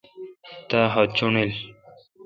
تا خط چوݨڈیل۔